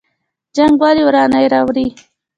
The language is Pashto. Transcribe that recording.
جنګ ولې ورانی راوړي؟